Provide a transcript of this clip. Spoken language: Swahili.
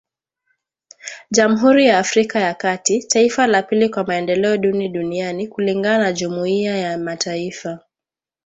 Jamhuri ya Afrika ya kati, taifa la pili kwa maendeleo duni duniani kulingana na Jumuiya ya mataifa.